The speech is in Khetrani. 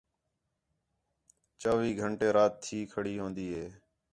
چَوِّی گھنٹے رات تھی کھڑی ہون٘دی ہِے